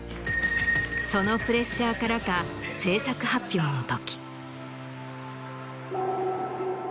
そのプレッシャーからか。の時。